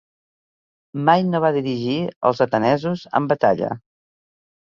Mai no va dirigir els atenesos en batalla.